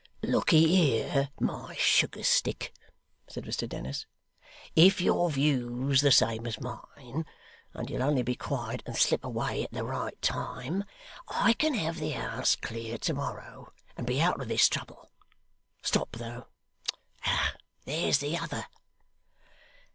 'Lookee here, my sugar stick,' said Mr Dennis, 'if your view's the same as mine, and you'll only be quiet and slip away at the right time, I can have the house clear to morrow, and be out of this trouble. Stop though! there's the other.